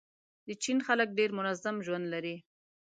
د چین خلک ډېر منظم ژوند لري.